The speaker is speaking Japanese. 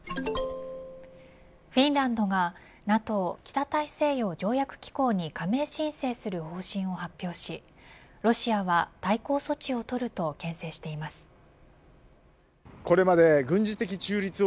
フィンランドがＮＡＴＯ北大西洋条約機構に加盟申請する方針を発表しロシアは対抗措置をとるとけん制しています。